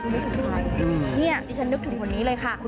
นี่เดี๋ยวจะนึกถึงวันนี้เลยค่ะ